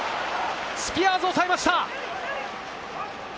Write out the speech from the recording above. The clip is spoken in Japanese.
スピアーズをおさえました。